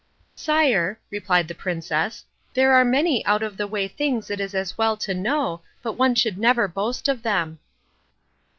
"Sire," replied the princess, "there are many out of the way things it is as well to know, but one should never boast of them."